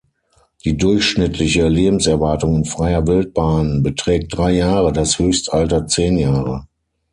Die durchschnittliche Lebenserwartung in freier Wildbahn beträgt drei Jahre, das Höchstalter zehn Jahre.